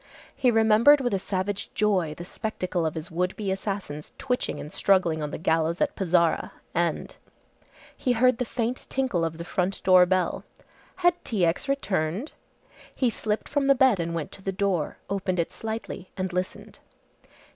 He remembered with a savage joy the spectacle of his would be assassins twitching and struggling on the gallows at Pezara and he heard the faint tinkle of the front door bell. Had T. X. returned! He slipped from the bed and went to the door, opened it slightly and listened.